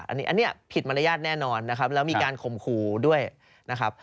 อันนี้ผิดมารยาทแน่นอนนะครับแล้วมีการข่มขู่ด้วยนะครับ